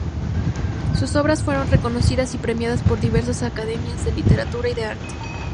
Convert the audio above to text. Sus obras fueron reconocidas y premiadas por diversas academias de literatura y de arte.